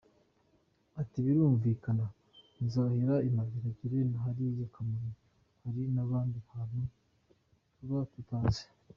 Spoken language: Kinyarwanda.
Ati “Birumvikana nzahera i Mageragere na hariya Kamonyi, hari n’ahandi hantu tuba tutazi.